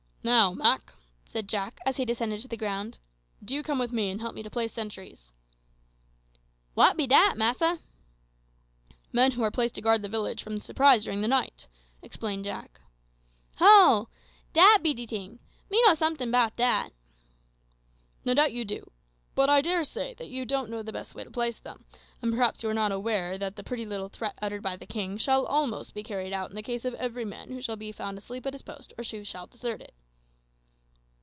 "Now, Mak," said Jack, as he descended to the ground, "do you come with me, and help me to place sentries." "W'at be dat, massa?" "Men who are placed to guard the village from surprise during the night," explained Jack. "Ho! dat be de ting; me know someting 'bout dat." "No doubt you do, but I daresay you don't know the best way to place them; and perhaps you are not aware that the pretty little threat uttered by the king shall be almost carried out in the case of every man who shall be found asleep at his post or who shall desert it."